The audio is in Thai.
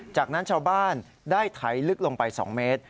จากนั้นชาวบ้านได้ไถลึกลงไป๒เมตร